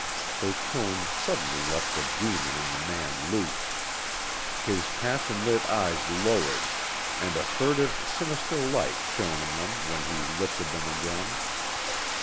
Her tone suddenly let the demon in the man loose. His passion lit eyes lowered, and a furtive, sinister light shone in them when he lifted them again.